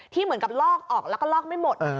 เหมือนกับลอกออกแล้วก็ลอกไม่หมด